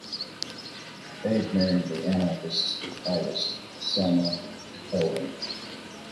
Abe married the anarchist artist, Selma Cohen.